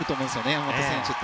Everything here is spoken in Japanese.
山本選手って。